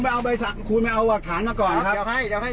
ผมไม่ได้มีปัญหาอะไรอยู่แล้ว